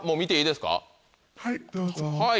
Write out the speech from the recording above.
はい。